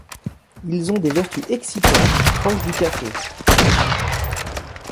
Ils ont des vertus excitantes proches du café.